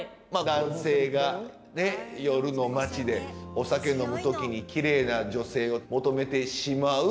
男性がねっ夜の街でお酒飲む時にきれいな女性を求めてしまう。